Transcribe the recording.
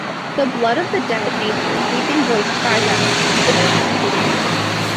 The blood of the dead, nature's weeping voice cries out: it's time to leave.